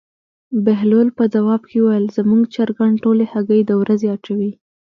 بهلول په ځواب کې وویل: زموږ چرګان ټولې هګۍ د ورځې اچوي.